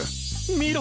見ろ